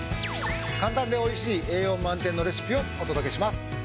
簡単で美味しい栄養満点のレシピをお届けします。